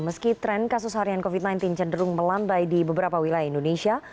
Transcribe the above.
meski tren kasus harian covid sembilan belas cenderung melambai di beberapa wilayah indonesia